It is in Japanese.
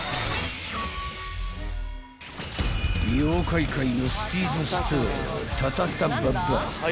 ［妖怪界のスピードスター］